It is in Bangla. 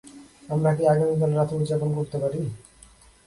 আমরা কি আগামীকাল রাতে উদযাপন করতে পারি?